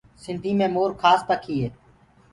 سنڌي مي مور کاس پکي هي۔